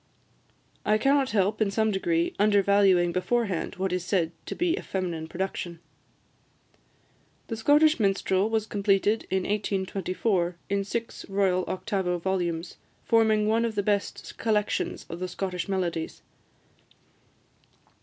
I cannot help, in some degree, undervaluing beforehand what is said to be a feminine production." "The Scottish Minstrel" was completed in 1824, in six royal octavo volumes, forming one of the best collections of the Scottish melodies.